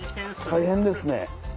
大変ですね。